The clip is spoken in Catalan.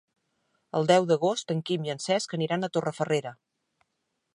El deu d'agost en Quim i en Cesc aniran a Torrefarrera.